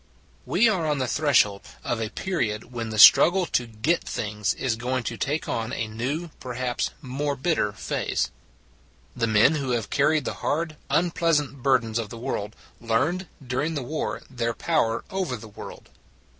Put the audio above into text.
We are on the threshold of a period 204 It s a Good Old World when the struggle to get things is going to take on a new, perhaps more bitter, phase. The men who have carried the hard, un pleasant burdens of the world learned, dur ing the war, their power over the world.